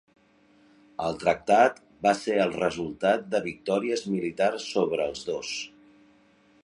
El tractat va ser el resultat de victòries militars sobre els dos.